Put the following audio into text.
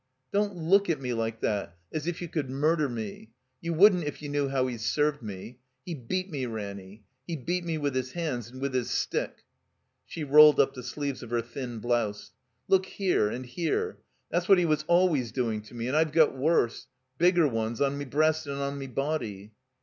Don't look at me like that, as if you could mur der me. You wouldn't if you knew how he's served me. He beat me, Ranny. He beat me with his hands and with his stick." She rolled up the sleeves of her thin blouse. Look here — and here. That's what he was al ways doing to me. And I've got worse — bigger ones — on me breast and on me body."